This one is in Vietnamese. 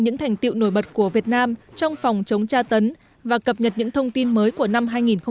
những thành tiệu nổi bật của việt nam trong phòng chống tra tấn và cập nhật những thông tin mới của năm hai nghìn một mươi chín